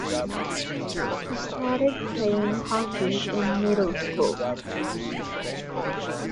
She started playing hockey in middle school.